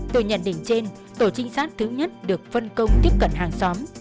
từ nhận định trên tổ trinh sát thứ nhất được phân công tiếp cận hàng xóm